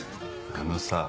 あのさ。